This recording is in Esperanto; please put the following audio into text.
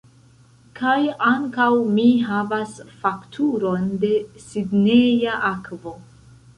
Kaj ankaŭ mi havas fakturon de Sidneja Akvo.